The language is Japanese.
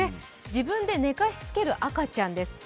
自分で寝かしつける赤ちゃんです。